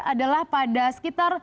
adalah pada sekitar